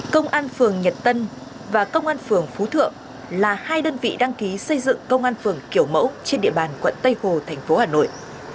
công an phường nhật tân và công an phường phú thượng là hai đơn vị đăng ký xây dựng công an phường kiểu mẫu trên địa bàn quận tây hồ thành phố hà nội